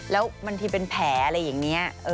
แล้วบางทีเป็นแผลอะไรอย่างนี้